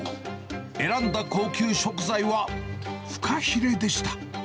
選んだ高級食材はフカヒレでした。